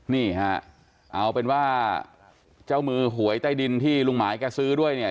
นี่ฮะเอาเป็นว่าเจ้ามือหวยใต้ดินที่ลุงหมายแกซื้อด้วยเนี่ย